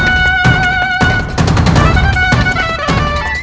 ngapain kamu teh